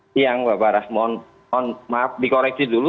siang bapak maaf dikoreksi dulu